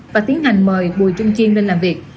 và tiến hành mời bùi trung chiên lên làm việc